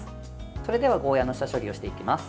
それではゴーヤーの下処理をしていきます。